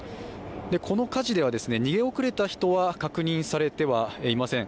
この火事では逃げ遅れた人は確認されてはいません。